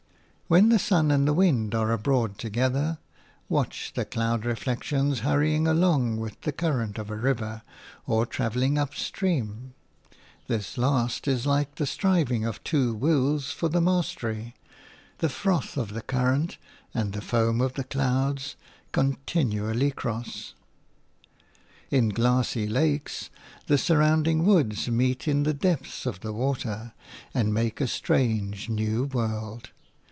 When the sun and the wind are abroad together, watch the cloud reflections hurrying along with the current of a river, or travelling up stream. This last is like the striving of two wills for the mastery; the froth of the current and the foam of the clouds continually cross. In glassy lakes the surrounding woods meet in the depths of the water, and make a strange, new world.